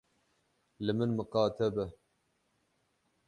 Li min miqate be.